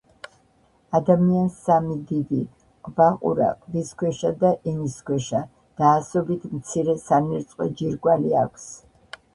ადამიანს სამი დიდი: ყბაყურა, ყბისქვეშა და ენისქვეშა და ასობით მცირე სანერწყვე ჯირკვალი აქვს.